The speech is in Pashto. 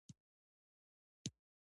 امالي متون چي عالم خپله نه وي ليکلي.